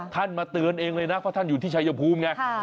มาเตือนเองเลยนะเพราะท่านอยู่ที่ชายภูมิไง